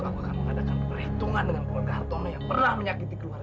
aku akan mengadakan perhitungan dengan pengguna harta yang pernah menyakiti keluarga